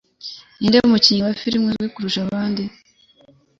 Ninde mukinnyi wa filime uzwi kurusha abandi?